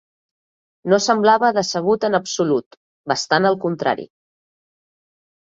No semblava decebut en absolut; bastant al contrari.